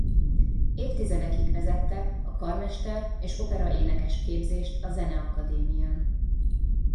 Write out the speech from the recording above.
Évtizedekig vezette a karmester- és operaénekes-képzést a Zeneakadémián.